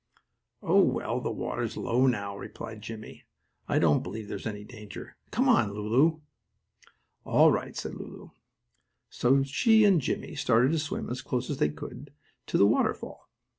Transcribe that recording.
"Oh, well, the water's low now," replied Jimmie. "I don't believe there's any danger. Come on, Lulu." "All right," said Lulu. So she and Jimmie started to swim as close as they could to the waterfall.